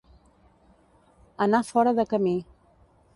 Anar fora de camí.